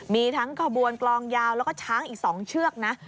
มีทั้งขบวนกลองยาวแล้วก็ช้างอีก๒เชือกนะ